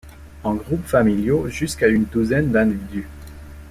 En groupes familiaux jusqu'à une douzaine d'individus.